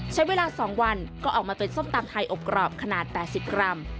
ใช้เวลา๒วันก็ออกมาเป็นส้มตำไทยอบกรอบขนาด๘๐กรัม